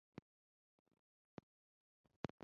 他的父亲瞽叟是个盲人。